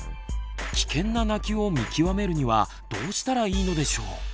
危険な泣きを見極めるにはどうしたらいいのでしょう。